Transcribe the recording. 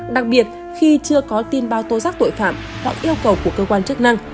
đặc biệt khi chưa có tin bao tố giác tội phạm hoặc yêu cầu của cơ quan chức năng